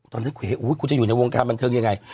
ตอนนั้นคุยคุณจะอยู่ในวงการบันเทิงยังไง